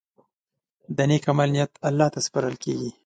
د نیک عمل نیت الله ته سپارل کېږي.